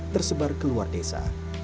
tersebar ke luar desa